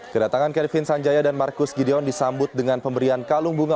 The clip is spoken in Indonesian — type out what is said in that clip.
kedatangan kevin sanjaya dan marcus gideon disambut dengan pemberian kalung bunga